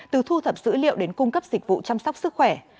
từ thu thập dữ liệu đến cung cấp dịch vụ chăm sóc sức khỏe